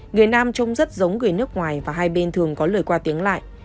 người nam trông rất giống người nước ngoài và hai bên thường có lời qua tiếng lại